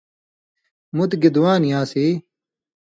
مُت گی دعا نی آن٘س یی؟